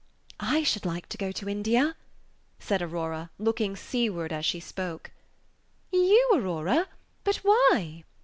"I should like to go to India," said Aurora, looking seaward as she spoke. "You, Aurora! but why?"